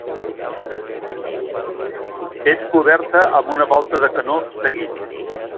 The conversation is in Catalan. És coberta amb una volta de canó seguit.